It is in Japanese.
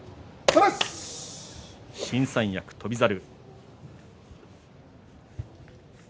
新三役、翔猿。